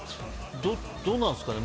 どうなんですかね。